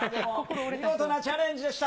見事なチャレンジでした。